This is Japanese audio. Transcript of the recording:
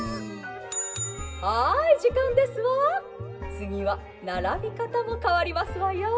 つぎはならびかたもかわりますわよ」。